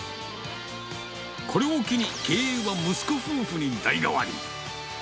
これを機に、経営は息子夫婦に代替わり。